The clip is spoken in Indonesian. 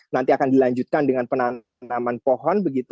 nanti akan dilanjutkan dengan penanaman pohon